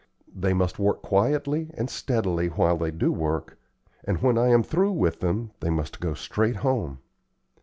They must work quietly and steadily while they do work, and when I am through with them, they must go straight home.